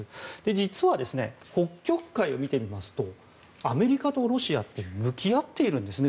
実は、北極海を見てみますとアメリカとロシアって向き合っているんですね。